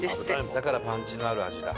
だからパンチのある味だ。